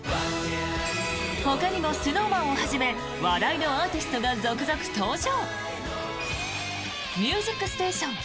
ほかにもＳｎｏｗＭａｎをはじめ話題のアーティストが続々登場！